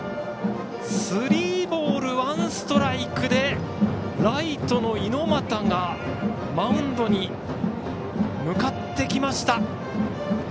スリーボール、ワンストライクでライトの猪俣がマウンドに向かってきました。